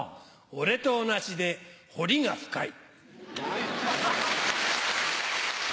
俺と同じで、ほりが深い。